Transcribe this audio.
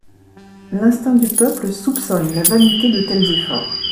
L'instinct du peuple soupçonne la vanité de tels efforts.